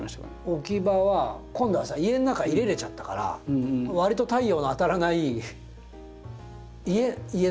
置き場は今度はさ家の中に入れれちゃったからわりと太陽の当たらない家の所に並んでた。